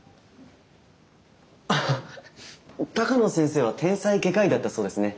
ハハッ鷹野先生は天才外科医だったそうですね。